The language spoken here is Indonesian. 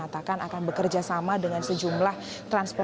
ada nih dki lingya hubup arayjo